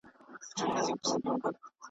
تازه سبزي روغتیا ښه ساتي.